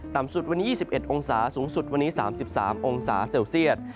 สุดวันนี้๒๑องศาสูงสุดวันนี้๓๓องศาเซลเซียต